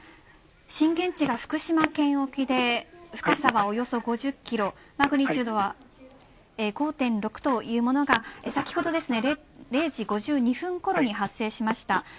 震源地が福島県沖で深さはおよそ５０キロマグニチュードは５．６というものが先ほど０時５２分ごろに発生しました。